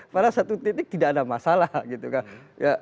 padahal satu titik tidak ada masalah gitu kan